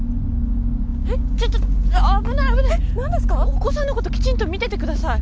お子さんのこときちんと見ててください。